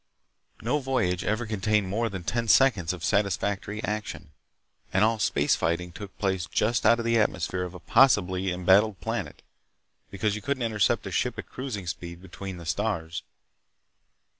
No voyage ever contained more than ten seconds of satisfactory action—and all space fighting took place just out of the atmosphere of a possibly embattled planet, because you couldn't intercept a ship at cruising speed between the stars.